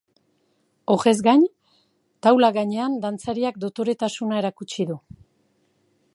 Horrez gain, taula gainean dantzariak dotoretasuna erakutsi du.